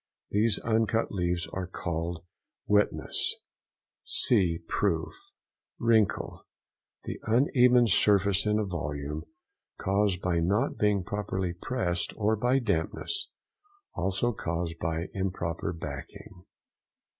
These uncut leaves are called "Witness" (see PROOF). WRINKLE.—The uneven surface in a volume, caused by not being properly pressed or by dampness, also caused by improper backing.